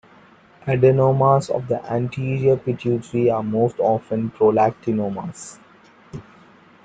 Adenomas of the anterior pituitary are most often prolactinomas.